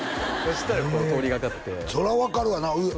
したら通り掛かってそりゃ分かるわなえっ？